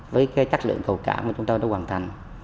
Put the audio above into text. với cái chất lượng cầu cảng mà chúng tôi đã hoàn thành